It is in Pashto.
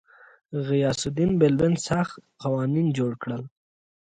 غیاث الدین بلبن سخت قوانین جوړ کړل.